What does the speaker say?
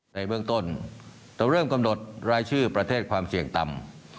ในเบื้องต้นเราเริ่มกำหนดรายชื่อประเทศความเสี่ยงต่ำ